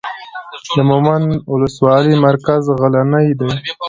د مومند اولسوالۍ مرکز غلنۍ دی.